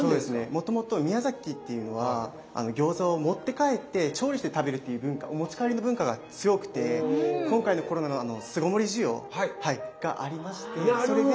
もともと宮崎っていうのは餃子を持って帰って調理して食べるっていう文化お持ち帰りの文化が強くて今回のコロナの巣ごもり需要がありましてそれで。